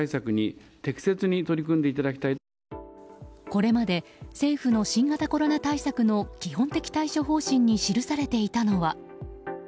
これまで政府の新型コロナ対策の基本的対処方針に記されていたのは。